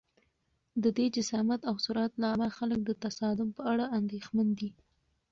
د دې جسامت او سرعت له امله خلک د تصادم په اړه اندېښمن دي.